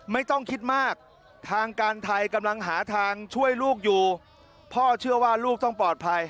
ไม่ต้องคิดมากทางการไทยกำลังหาทางช่วยลูกอยู่พ่อเชื่อว่าลูกต้องปลอดภัย